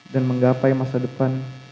dan menggapai masa depan